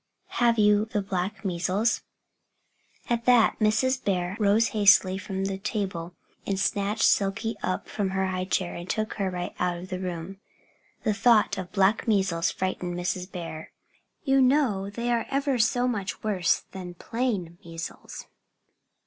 Have you the black measles?" At that, Mrs. Bear rose hastily from the table and snatched Silkie up from her high chair and took her right out of the room. The thought of black measles frightened Mrs. Bear. You know, they are ever so much worse than plain measles.